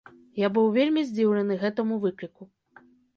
Я быў вельмі здзіўлены гэтаму выкліку.